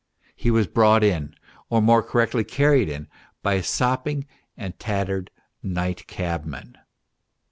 He was brought in, or more correctly carried in, by a sopping and tattered night cabman.